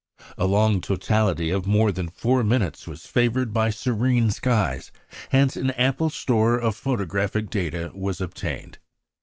A long totality of more than four minutes was favoured by serene skies; hence an ample store of photographic data was obtained.